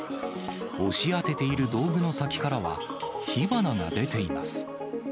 押し当てている道具の先からは、火花が出ています。